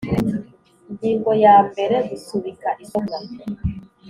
Ingingo yambere Gusubika isomwa